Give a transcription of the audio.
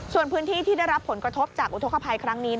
ส่วนพื้นที่ที่ได้รับผลกระทบจากอุทธกภัยครั้งนี้